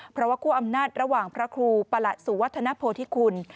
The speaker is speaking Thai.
เพราะคู่อำนาจระหว่างพระครูประสุวทธนโภทิคุณ